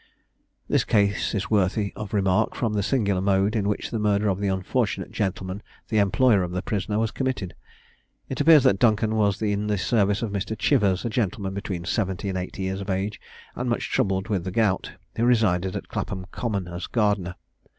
This case is worthy of remark from the singular mode in which the murder of the unfortunate gentleman, the employer of the prisoner, was committed. It appears that Duncan was in the service of Mr. Chivers, a gentleman between seventy and eighty years of age, and much troubled with the gout, who resided at Clapham common, as gardener.